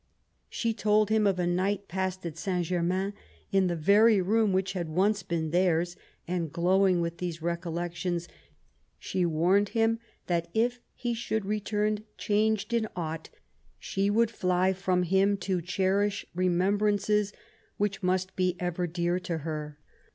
She told him of a night passed at Saint Germains, in the very room which had once been theirs, and, glowing with these recollections, she warned him that, if he should return changed in aught, she would fly from him to cherish remem brances which must be ever dear to her.